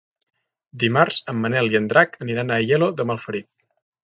Dimarts en Manel i en Drac aniran a Aielo de Malferit.